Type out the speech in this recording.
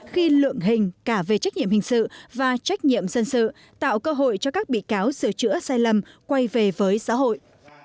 khi lượng hình cả về trách nhiệm hình sự và trách nhiệm dân sự tạo cơ hội cho các bị cáo sửa chữa sai lầm quay về với xã hội